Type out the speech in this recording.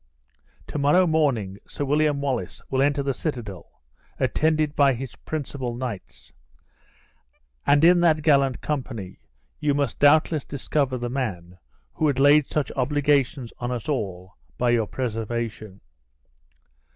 To morrow morning Sir William Wallace will enter the citadel, attended by his principal knights; and in that gallant company you must doubtless discover the man who had laid such obligations on us all by your preservation."